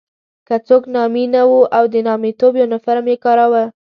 که څوک نامي نه وو او د نامیتوب یونیفورم یې کاراوه.